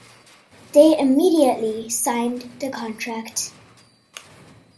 They immediately signed the contract.